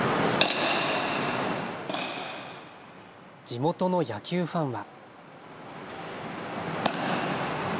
地元の野球ファンは。